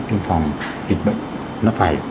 tiêm phòng dịch bệnh nó phải